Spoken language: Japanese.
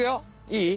いい？